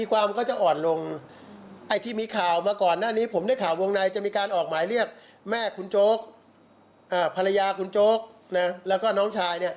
วงในจะมีการออกหมายเรียกแม่คุณโจ๊กภรรยาคุณโจ๊กแล้วก็น้องชาย